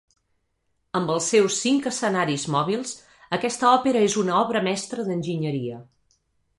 Amb els seus cinc escenaris mòbils, aquesta òpera és una obra mestra d'enginyeria.